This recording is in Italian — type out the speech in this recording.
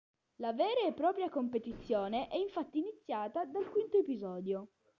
La vera e propria competizione è infatti iniziata dal quinto episodio.